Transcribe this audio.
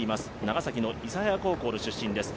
長崎の諫早高校の出身です。